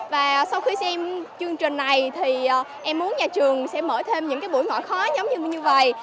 và sau khi xem chương trình này thì em muốn nhà trường sẽ mở thêm những buổi ngoại khóa giống như vậy